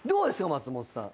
松本さん。